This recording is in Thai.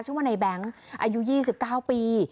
ชื่อว่าในแบงค์อายุ๒๙ปี